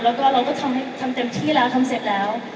แล้วก็เราก็ทำเต็มที่แล้วทำเสร็จแล้ว